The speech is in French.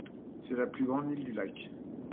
C'est la plus grande île du lac.